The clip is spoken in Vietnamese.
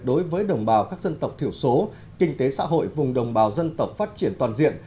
đối với đồng bào các dân tộc thiểu số kinh tế xã hội vùng đồng bào dân tộc phát triển toàn diện